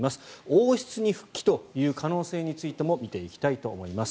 王室に復帰という可能性についても見ていきたいと思います。